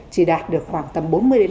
chỉ đạt được khoảng tầm bốn mươi năm mươi